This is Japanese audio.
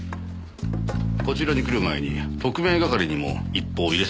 こちらに来る前に特命係にも一報を入れさせて頂きました。